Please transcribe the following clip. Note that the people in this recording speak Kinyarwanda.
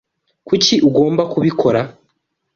Kuki ugomba kubikora?